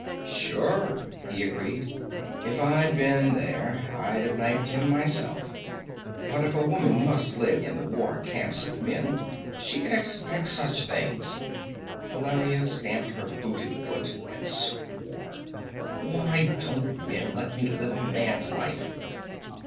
"Sure," he agreed. "If I'd been there, I'd have knifed him myself. But if a woman must live in the war camps of men, she can expect such things." Valeria stamped her booted foot and swore. "Why won't men let me live a man's life?"